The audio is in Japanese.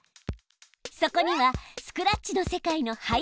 そこにはスクラッチの世界の「背景」があるの。